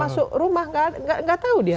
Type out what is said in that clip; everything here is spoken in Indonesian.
masuk rumah nggak tahu dia